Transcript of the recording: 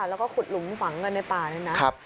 แล้วก็ขุดหลุมฝังกันในป่านี่นะ